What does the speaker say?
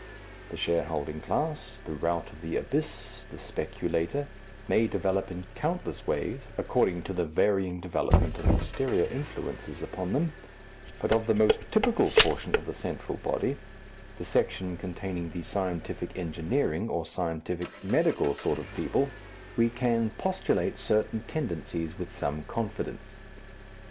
The shareholding class, the rout of the Abyss, the speculator, may develop in countless ways according to the varying development of exterior influences upon them, but of the most typical portion of the central body, the section containing the scientific engineering or scientific medical sort of people, we can postulate certain tendencies with some confidence.